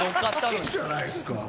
好きじゃないですか。